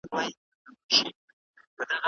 د کډوالو سره ناوړه چلند د بشري حقونو نقض دی.